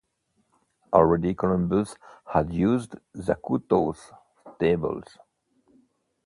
Already Columbus had used Zacuto's tables.